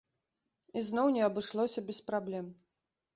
І зноў не абышлося без праблем.